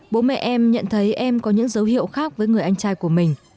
bố mẹ em nhận thấy em có những dấu hiệu khác với người anh trai của mình